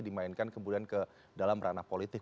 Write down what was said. dimainkan kemudian ke dalam ranah politik